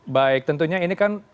baik tentunya ini kan